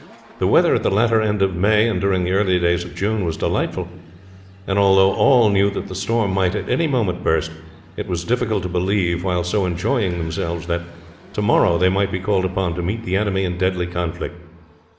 The weather at the latter end of May and during the early days of June was delightful; and although all knew that the storm might at any moment burst, it was difficult to believe while so enjoying themselves that to morrow they might be called upon to meet the enemy in deadly conflict.